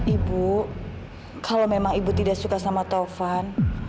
ibu kalau memang ibu tidak suka sama taufan